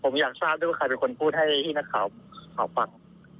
ผมอยากทราบด้วยว่าใครเป็นคนพูดให้พี่นักข่าวเขาฟัง